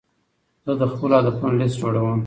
زه د خپلو هدفونو لیست جوړوم.